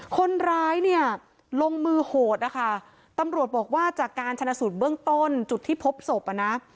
คนร้ายเนี่ยลงมือโหดนะคะตำรวจบอกว่าจากการชนะสูตรเบื้องต้นจุดที่พบศพอ่ะนะ